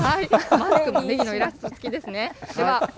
マスクにねぎのイラスト付きですね。